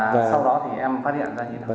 và sau đó thì em phát hiện ra như thế nào